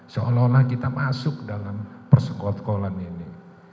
seolah olah kita masuk dalam persekolan ini